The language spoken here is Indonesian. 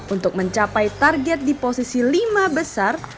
untuk mencapai target di posisi lima besar